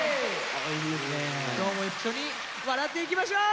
今日も一緒に笑っていきましょう！